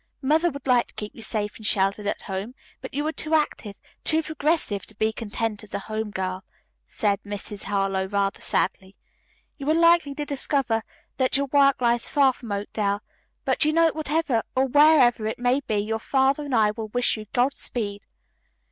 Mother would like to keep you safe and sheltered at home, but you are too active, too progressive, to be content as a home girl," said Mrs. Harlowe rather sadly. "You are likely to discover that your work lies far from Oakdale, but you know that whatever or wherever it may be your father and I will wish you Godspeed.